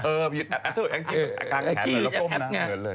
เออยืนแอปแองจี้แอกกางแขนเลยแล้วก็มันก็นั่งเหนือนเลย